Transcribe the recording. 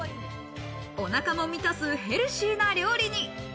お腹も満たすヘルシーな料理に。